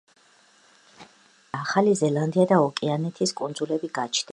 მის ადგილას ავსტრალია, ახალი ზელანდია და ოკეანეთის კუნძულები გაჩნდა.